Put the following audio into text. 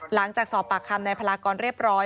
หลังจากสอบปากคำนายพลากรเรียบร้อย